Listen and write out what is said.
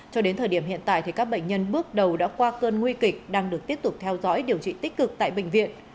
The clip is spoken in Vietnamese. cho đến thời điểm hiện tại các bệnh nhân bước đầu đã qua cơn nguy kịch đang được tiếp tục theo dõi điều trị tích cực tại bệnh viện